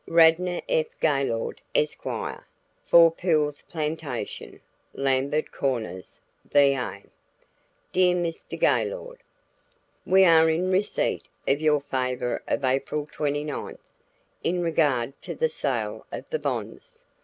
"RADNOR F. GAYLORD, Esq., "Four Pools Plantation, Lambert Corners, Va. "Dear Mr. Gaylord: "We are in receipt of your favor of April 29th. in regard to the sale of the bonds.